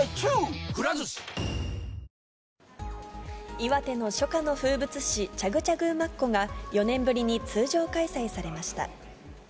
岩手の初夏の風物詩、チャグチャグ馬コが４年ぶりに通常開催されました。